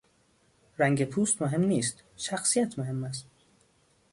رنگ پوست مهم نیست، شخصیت مهم است.